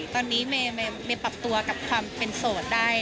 ตอนนี้เมย์ปรับตัวกับความเป็นโสดได้